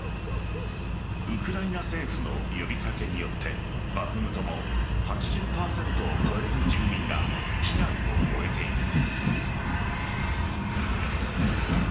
ウクライナ政府の呼び掛けによってバフムトも８０％を超える住民が避難を終えている。